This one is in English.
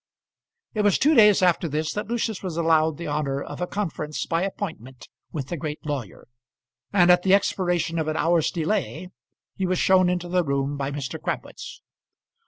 It was two days after this that Lucius was allowed the honour of a conference by appointment with the great lawyer; and at the expiration of an hour's delay he was shown into the room by Mr. Crabwitz.